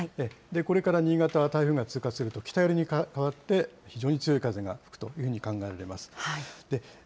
これから新潟は台風が近づくと、北寄りに変わって非常に強い風が吹くというふうに考えられます。